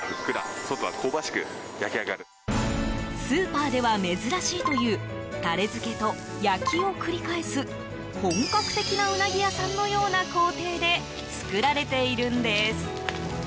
スーパーでは珍しいというたれ漬けと焼きを繰り返す本格的な、ウナギ屋さんのような工程で作られているんです。